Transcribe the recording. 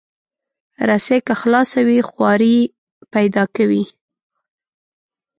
رسۍ که خلاصه وي، خواری پیدا کوي.